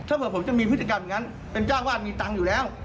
ถ้าเผื่อผมจะมีพฤติกรรมอย่างนั้นเป็นเจ้าวาดมีตังค์อยู่แล้ว